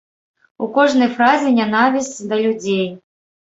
У кожнай фразе нянавісць да людзей.